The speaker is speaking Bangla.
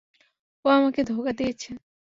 ও আমাদের ধোঁকা দিয়েছে।